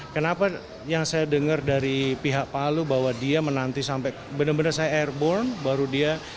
kenapa yang saya dengar dari pihak palu bahwa dia menanti sampai benar benar saya airborne baru dia